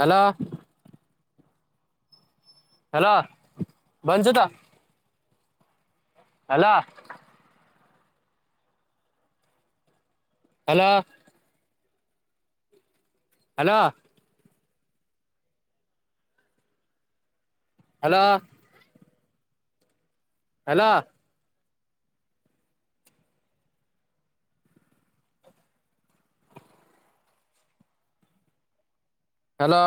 Hello hello ಬಂಸದ್ hello hello hello hello hello hello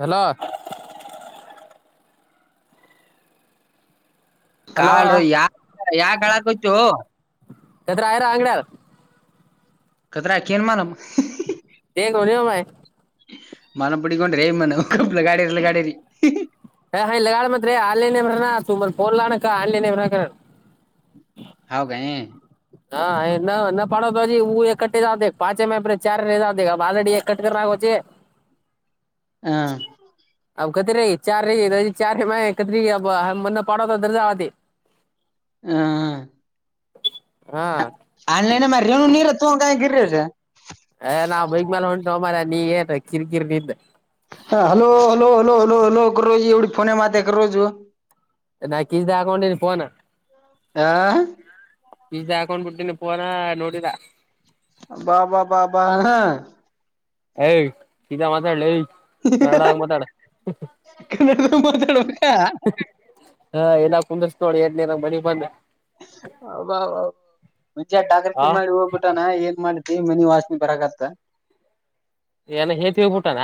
hello hello call ಯಾ ಯಾಕ್ ಅಳಕತ್ತೋ. ಅದ ರಾಯರ ಅಂಗಡಾರ ಕದ್ರಕಏನ ಮಾರಮ್ ಹೇಗ ನಿಮ್ ಮನೆ ಪುಡಿಕೊಂಡ್ರೆ ಮಣ ಲಗಾಡೇರಿ ಲಗಡಿರಿ ಅಂದ್ರೆ ಆನ್ಲೈನ್ ಅಂದ್ರನ ತುಂಬ ಪೋರ್ಲಾನಕ್ಕ ಆನ್ಲೈನ್ ಬೇಕನ ಹೋಗಯ [unintelligible] ಜೆ ಹ್ಞಾ. [unintelligible] ಹ ಹಾ ಹ ಆನ್ಲೈನೆ ಮಾಡ ರನು ನೀರತು ಕಾಯ ಗಿರಿರು ಏ ನಾವ್ ಬೈಗ ಮೇಾಲ ಹೊಂಟ ಮಾರ ನೀ ಏನ್ ಕಿರಿಕಿರ್ ನಿಂದ್ ಹಾ hello hello hello hello hello ಕ ರೋಜ ಎವಿಫೋನ ಮಾಡತ ಕ ರೋಜ ನಾ ಕಿಸಿದಕೊಂಡನ ಪೋನಾ ಆ ಇಜ ಹಾಕೊಂಡ್ ಬಿಟ್ಟನ ಪೋನಾ ನೋಡಿದ ಬಾಬಾ ಬಾಬಾ ಯ್ ಸೀತಾ ಮಾತಾಡ್ಲ [unintelligible] ಹಾ ಎಲ್ಲ ಕುಂದ್ರಸ್ ನೋಡ ಎ ಮಣಿ ಬಂದ್ ಹಬ ಮುಂಚೆ ಟಾಗರ್ಕಿ ಆ ಮಾಡಿ ಹೋಗ್ಬಿಟಾನ ಏನ್ ಮಾಡ ಈ ಮನಿ ವಾಸನೆ ಬರಕತ ಏನ ಹೇತಿ ಹೋಗಬಿಟಾನ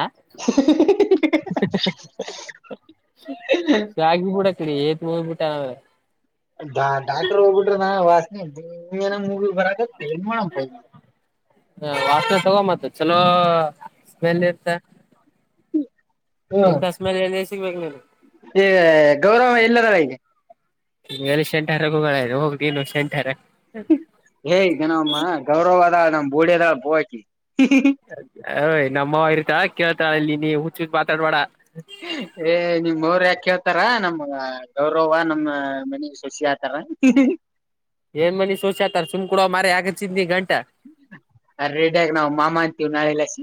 ಶಾಗ ಕೂಡ ರಿ ಮೂಬಟಾವ ಡಾಕ್ಟರ್ ಹೋಗ್ಬಿಟ್ರೆ ನಾ ವಾಸನೆ ನೀನ ಮೂವ ಬರಾಗನು ಮಾಡಾಮ್ ಪೈ ತಗೊ ಮ ಚಲೋ ಸ್ಮೆಲ್ ಇರ್ತ್ತ ಹ್ಮ ಸಿಗ್ಬೇಕ್ ನೀನು ಈ ಗೌರವ ಎಲ್ಲದಲ್ ಈಗ ಲ್ಲಿ ಶೆಂಟರ ಹಗಳ ಹೋಗ ನೀನು ಶೆಂಟಾ ಅರಕ ಹೇ ಜನಮ್ಮ ಗೌರವದ ನಮ್ಮ್ ಬೋಡಿಯದ ಬೋಕಿ ಯ್ ನಮ್ಮವ ಇರ್ತಾ ಕೇಳ್ತಾಳಲ್ಲಿ ನೀ ಹುಚ್ಚ ಹತ್ ಮಾತಾಡ್ಬೇಡ ಏ ನಿಮ್ಮ್ರ ಯಾಕೆ ಆತಾರ ನಮ್ಮ್ ಗೌರವ ನಮ್ಮ ಮನೆ ಸೋಸಿ ಆತರ ಏನ್ ಮನಿ ಶೋಷ ಆತ ಸುಮ್ ಕುೂಡುವ ಮಾರ ಯಾಕ್ ಅಚ್ಚಿದಿ ನೀ ಗಂಟ ಅ ರೆಡಿಯಗ ನಾವವು ಮಾಮ ಅಂತೀವ್ ನಾಳೆಲ್ಲಸಿ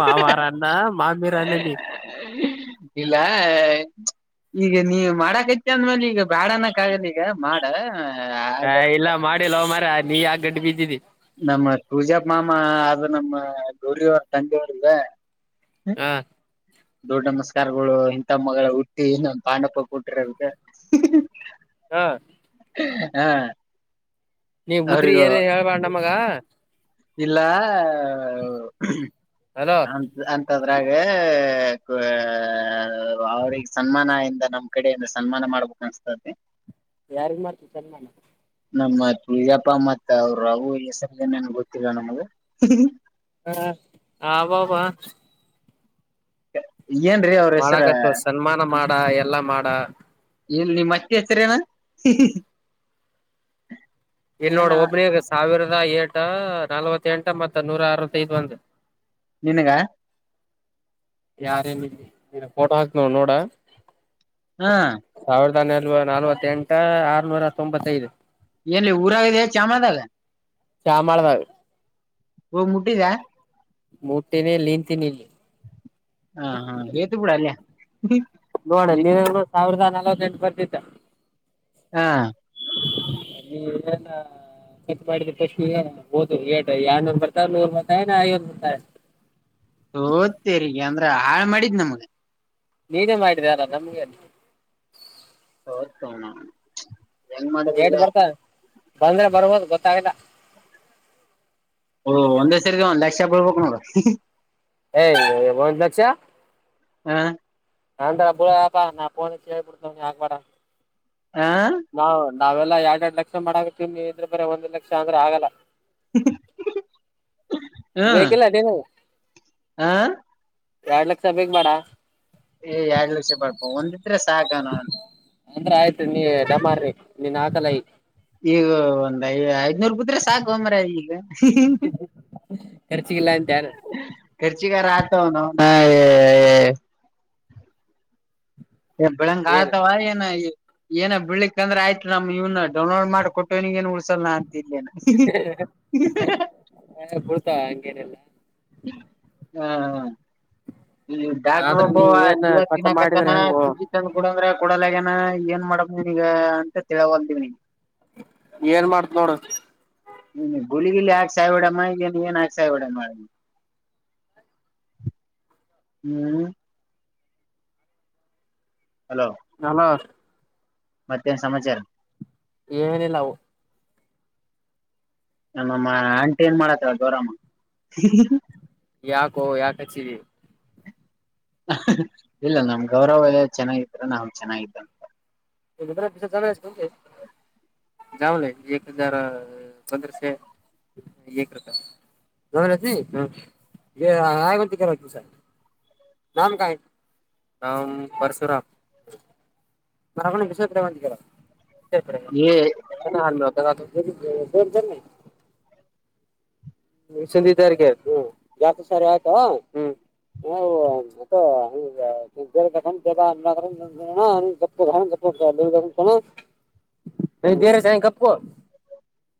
ಮಾವಾರನ್ನ ಮಾಮೀರನ್ನ ನೀ ಇಲಾಯ ಈಗ ನೀವ ಮಾಡಕೈತಿ ಅಂದ್ಮೇಲೆ ಈಗ ಬ್ಯಾಡ ಅನಕ್ ಆಗಲ್ಲ ಈಗ ಮಾಡ ಹ ಆಗ ಇಲ್ಲ ಮಾಡಿಲ್ಲ ಅವ ಮಾರ ನೀ ಯಾಕ್ ಗಡ್ಡಿ ಬಿದ್ದಿದಿ ನಮ್ಮ ಪೂಜಾ ಮಾಮ ಆದ ನಮ್ಮ ಗೌರಿವರ ತಂಗಿಯವರುದ ಹ ದೊಡ್ ನಮಸ್ಕಾರಗಳು ಇಂಥ ಮಗಳು ಹುಟ್ಟಿ ಇನ್ನೊಂದು ಪಾಂಡಪ್ಪ ಕೊಟ್ಟಿರ ಹಾ ಹಾ ನೀ ಉದ್ರಿ ಏನೇ ಹೇಳ್ಬಾರ ನಮ್ಮಗ ಇಲ್ಲ ಹಲೋ ಅ ಅ ದ್ರಾಗ ಅವ್ರಿಗೆ ಸನ್ಮಾನ ಇಂದ ನಮ್ ಕಡೆಯಿಂದ ಸನ್ಮಾನ ಮಾಡ್ಬೇಕ ಅನ್ಸ್ತತಿ ಯಾರಿಗ್ ಮಾತ್ರ ಸನ್ಮಾನ ನಮ್ಮಜಪ್ಪ ಮತ್ ಅವರು ರು ಹೆಸರಿನೇನ್ ಗೊತ್ತಿಲ್ಲ ನಮ್ಗೆ ಅಬ್ಬಬ್ಬಾ [inaudible] [unintelligible] ಅವ್ರ ಹೆಸರ ಮಾಡಕತ್ತು ಸನ್ಮಾನ ಮಾಡ ಎಲ್ಲಾ ಮಾಡ ಎಲ್ಲಿ ನಿಮ್ ಅತ್ತಿ ಹೆಸರೇನಾ ಇಲ್ಲಿ ನೋಡ್ ಒಬ್ಬ್ರಗ ಸಾವಿರದ ಏ ಎಟ ನಲ್ವತ್ತ ಎಂಟ ಮತ್ತ ನೂರ ಅರವತ್ತೈಐದು ಒಂದು ನಿನುಗ ಯಾರೇನು ಫೋಟೋ ಹಾಕ್ ನೋ ನೋಡ ಹ್ಮ ನ ನಲ್ವ ನಲ್ವತ್ತೆಂಟ ಆರ್ನೂರ ತೊಂಬತ್ತೈದು ಏನ್ ಊರಾಗಿದ ಚಾಮಂದಾಗ ಶಾಮಾಳನಾಗ ಓ ಮುಟ್ಟಿದಾ ಮೂಟ್ಟೆನ ನಿಂತೀನಿ ಇಲ್ಲಿ ಹಾ ಹಾ ೇತು ಬಿೂಡ ಅಲ್ಲಯ ನೋಡ ನೀ ಸಾವಿರದ ನಲವತ್ತ ಎಂಟು ಬತ್ತತೆ ಹಾ [inaudible] ಕತ್ ಮಾಡಿದ ಪಕ್ಷಿ ಹಓದು ೇಟ ಯಏನ್ೊನ್ ಬರ್ತಾಲ್ಲೂರ್ ಬರ್ತಾರೆ ನಾ ಅಯ್ಯೋನ್ ಬರ್ತಾರೆ ಹೋತರಿಗೆ ಅಂದ್ರೆ ಹಾಳ ಮಾಡಿದ್ ನಮಗೆ ನೀನೇ ಮಾಡಿದಲ್ಲ ನಮಗೆ ಅಲ್ಲ ಬತ್ತಣ ಎಟ್ ಬರ್ತಾರೆ ಬಂದ್ರೆ ಬರ್ಬೋದು ಗೊತ್ತಾಗಲ್ಲ ಓ ಒಂದ ಸರಿಗೆ ಒಂದ್ ಲಕ್ಷ ಬಳ್ಬೇಕಕ್ ನೋಡ ಏಯ ಒ ಲಕ್ಷಾ ಹಾ ನಾಂತ ಅಬಳಪಾ ನಾ ಪನೆ ಚಿಬಡ್ತ ಯಾಕ ಬಡ ಹಾ ನಾವೆಲ್ಲಾ ಎರಡ್ ಎರಡು ಲಕ್ಷ ಮಾಡಕತೀವಿ ಇದ್ರೆ ಬರ ಒಂದ್ ಲಕ್ಷ ಅಂದ್ರೆ ಆಗಲ್ಲ ರೇೇಕಲ್ಲ ಅಟ ನ ಹಾ ಎರಡ್ ಲಕ್ಷ ಬೇಕಕ್ ಬೇಡ ಏ ಎರಡ್ ಲಕ್ಷ ಬಳಪ ಒಂದಿದ್ರೆ ಸಾಾಗಣನ್ ಅಂದ್ರ ಆಯ್ತ್ರಿ ನೀ ಡಮಾರ್ರಿ ನಿನ್ ಹಾಕಲ ಈ ಈಗ ಒಂದ್ಐ ಐದ್ನೂರ್ ಬುದ್ರೆ ಸಾಕು ಒಂಬ್ರ ಈಗ ಖರ್ಚಗಿಲ್ಲ ಅಂತ ಯಾರು ಖರ್ಚಿಗರ ಆತ ನ ಎ ಬೆಳಂಗಾತಾವ ಏ ಏನ ಬಿಳ್ಲಿಕ್ಂದ್ರ ಆಯ್ತು ನಮ್ ಇವನ ಡೌನ್ೋಡ್ ಮಾಡ ಕೊಟ್ಟವಿ ಏನ್ ಸಲ ಅಂತಲ್ಲೇನ ಏನ್ ಬಿಡ್ತಾವ ಹಂಗೇನಿಲ್ಲ ಹಾ ಹ ಈ ಡಾಕ್ ಆದ್ರ ಒಬ್ಬ ನೀ ಏನ್ ದೀವ ಕಟ್ ತಿಿನಕತನ ಮಾಡಿದ್ರ ಹೆಂಗೋ ಸೂಜಿ ತಂದ್ ಕಡಂದ್ರ ಕೂಡಲಗನ ಏನ್ ಮಾಡಬ ನೀಗ ಅಂತ ತಿಳಬಲ್ದಿವವ ಏನ್ ಮಾಡ್ತ್ ನೋಡ ಹ ಗುಳಿಗಿಲಿ ಹಾಕ್ ಸಾಯ್ಬಡಮ್ಮ ಈಏನ್ ಏನ್ ಹಾಕ್ ಸಾಯ್ಬಡ ಮಾಡ ಹ್ಮ್ ಹಲೋ ನಲರ್ ಮತ್ತೇನ್ ಸಮಾಚಾರ ಏನನಿಲ್ಲವು ನಮ್ಮ ಆಂಟಿ ಏನ್ ಮಾಡತ್ತರ ಗೋರಾಮ ಯಾಕೋ ಯಾಕ ಹಚ್ಚೀರಿ ಇಲ್ಲ ನಮ್ ಗೌರವ ಎ ಚೆನ್ನಾಗಿದ್ರ ನಾ ಚೆನ್ನಾಗಿದ್ದಂತೆ ಇ ದಸ ಜನುಗೆ ದಾವಲ್ಲ ಹಜಾರ ಪಧ್ರಶೆ ಎ ರಕ ನಮನ ಹ ಆಂತ ಕೆಿವಸ ನಾಮ ಕಾಯ ನಾಮ ಪಶುರಾಮ ಮರಗಣ ವಿಶ್ೇರೆ ಏ ಬಂದರ್ [inaudible] ಸಂಂದಿ ತಾರಿಗೆ ಹ್ಮ ಯಾಕ ಸರಿ ಆಯ್ತಾ ಹ್ಮ್ ಹ ಬೇರೆ ಸಾಯ ಕಪ್ಪ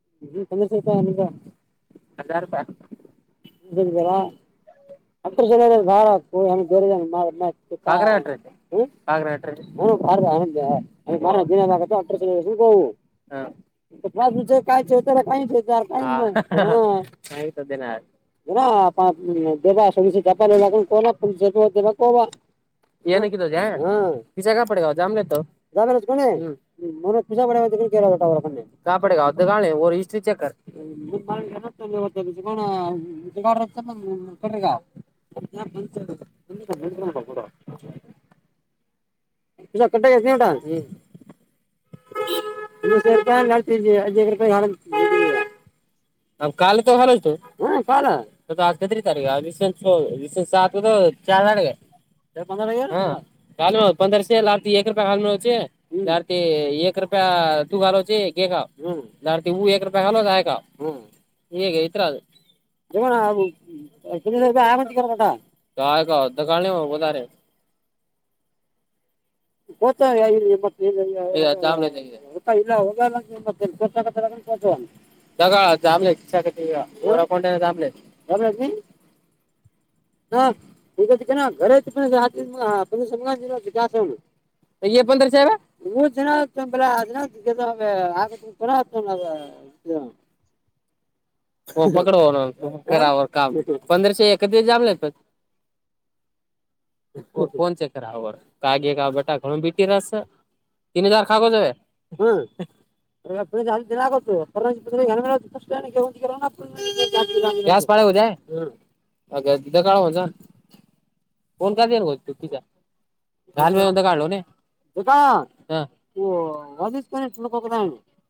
[unintelligible] [unintelligible] [unintelligible] [unintelligible] [unintelligible] [unintelligible] [unintelligible] [unintelligible] ಡ [inaudible] [unintelligible] [unintelligible] [inaudible] [unintelligible] [unintelligible] ಹಾ [unintelligible] [unintelligible] [unintelligible] ಹ್ಮ್ [unintelligible] [unintelligible] [unintelligible] [inaudible] [unintelligible] [unintelligible] [unintelligible] [unintelligible] [unintelligible] [unintelligible] [inaudible] [unintelligible] [inaudible] [unintelligible] [unintelligible] ಹಾ [unintelligible] [unintelligible] [unintelligible] [unintelligible] ಹಾ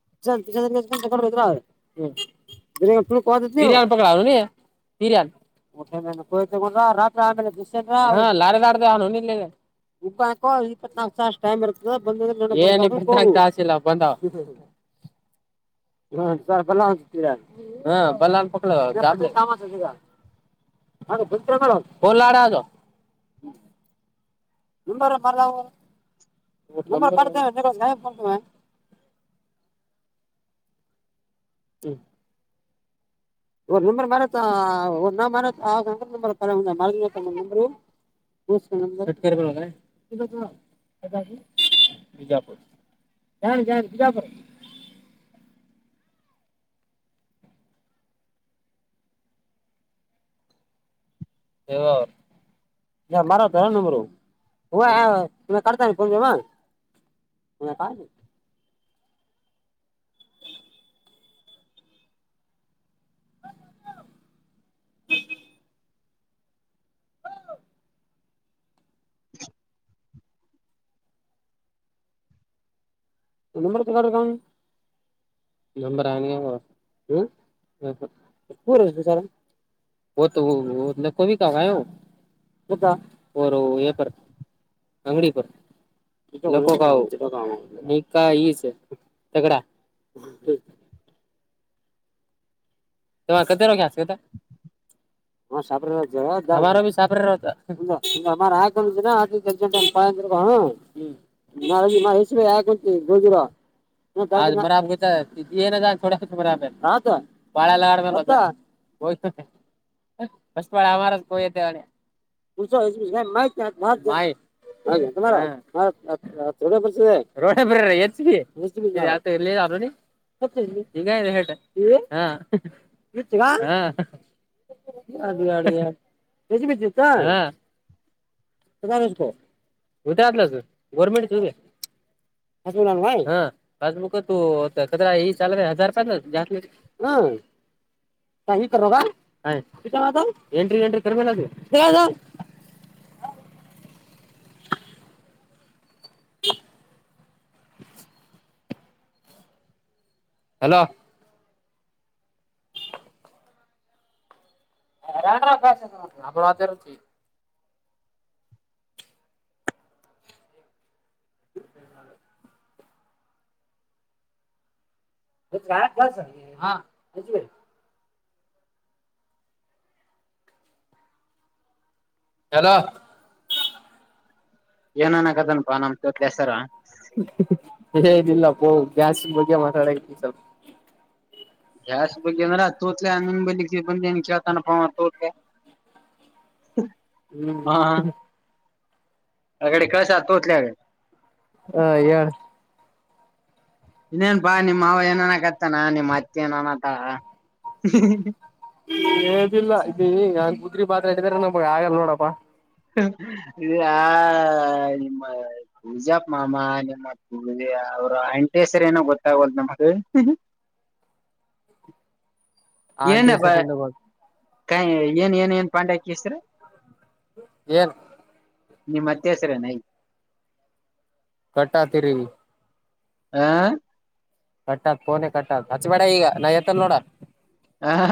[unintelligible] [unintelligible] ಹ್ಮ್ [unintelligible] ಬಿರಿಯಾನಿ [unintelligible] [unintelligible] ಇಪ್ಪತ್ತು ನಾಕ್ ತಾಸ್ ಟೈಮ್ ಇರ್ತದ ಬಂದು ಏನ್ ಇಪ್ಪತ್ತು ನಾಕ್ ಇಲ್ಲ ಬಂದು [inaudible] [unintelligible] [unintelligible] [unintelligible] [unintelligible] ಹ್ಮ್ [unintelligible] [unintelligible] [unintelligible] [inaudible] [unintelligible] [unintelligible] ಹದ ಟ್ ಕ್ಕಿ ಪಿ ಎಂದ ಮರಕ್ಕೆ ಎಲ್ಲಡುಗ ನಂಬರ ಆನ ಹೂ ಸಾರ ಕ್ಕ ಕ ಯ ಆಂಗಡಿ ಕ ಈ ತಗಡಾ ತಾರ ಕತೆರೋಗಸ್ಗದ ಯ್ ಹ ಸಾಪ್ರ ಹಾಕೊಂಡಿನಂ ಹ ನ ಹ ಯ ಗಜರ ಬರಾಬ್ ಗ ಏನದ ಬರ ಪಾಳ ಲಗಡಷ್ಟಟ್ಪಳ ಅಮಾರ ಕತವ ಹಸ ಅಜ ಮಾಹಿತ ಭ ಭಾಯ ಹಾಗ ರೋ ಬರ್ಸ ರೋ ಬ ಎ ೋ ಈಗ ಹೇ ಹ ಹ ಅದ ಅದ ಬ ಬಿಿದ್ದ ಉದ ಆ ಆದಲ ಗೋರ್ಮೆಂಟ್ ಚ ಹ ಹುಕ ಕದ್ರ ಈ ಚ ಹಾರ ರೂಪಾಯ ಜಾಸ್ ಕ್ ಹ ಈ ಕರ್ ಈತ ಎಂಟ್ರಿ ಎಂಟ್ರಿ ಕರ್ಮೇ ಹ ಕ್ಕಿ ಹಲೋ ಅತರ್ಚಿ ನಳ ಹೆ ಕ ಸ ಹಾ ಅಜುವ ಯದ ಏನನ್ ಆಗದನಪಾ ನಮ ಚೋತ್ ಹೆಸರ ಏನಿಲ್ಲ ಪೋ ಗ್ಯಾಸ್ ಬಗ್ಗೆ ಮಾತಾಡ ಈಸಲ್ ಗ್ಯಾಸ್ ಬ ಅಂದ್ರ ತೋತ್ಲೆ ನಿನ್ ಬ ಬಂದ ಏನ್ ಕೇಳ್ತನಪ ತೋತ್ಲೆ ಹ್ಮ ಹ್ಮ್ ಅ ಕಡೆ ಕಸ ತೋತ ಹ ಹೇಳಳ್ ಇನ್ನೇನ್ಪಾ ನಿಮ್ಮ್ ಏನನಕತ್ತಾನ ನಿಮ್ಮ್ ಅತ್ತೆ ಏನನತ್ತ ಏದಿಲ್ಲ ಇ ಈಗ ಉುದ್ರಿ ಪಾತ್ರರೆ ಇದ್ದಾರ ನ ಹಾಗಲ್ಲ ನೋಡಪ್ಪಾ ಇ ಆ ನಿಮ್ಮ ಪೂಜಾ ಮಾಮ ನಿಮ್ಮ ಪುಳಗ ಅವ್ರ ಎಂಟ ಹೆಸರ ಏನೋ ಗೊತ್ತಾಗಲ್ ನಮಗ್ ಆಂಟಸ ಇ ನಬ ಕಾಯ ಏನ್ ಏನ್ ಏನ್ ಪಾಂಡೆಕ್ಕಿಸ್ರ ಎನ್ ನಿಮ್ಮತ್ತೇಸರನೈ ಕಟ್ಟಾ ತಿರಿ ಹಾ ಕಟ್ಟತ್ ಕೋನೆ ಕಟ್ಟತ್ ಹಚ್ಚಬೇಡ ಈಗ ನಾ ಎತ್ತಲ್ ನೋಡ ಹಾ